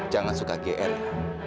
jangan suka gr ya